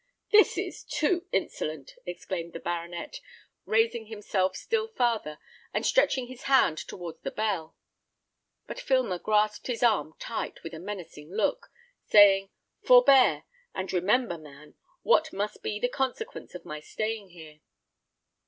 "This is too insolent!" exclaimed the baronet, raising himself still farther, and stretching his hand towards the bell; but Filmer grasped his arm tight, with a menacing look, saying, "Forbear! and remember, man, what must be the consequence of my staying here.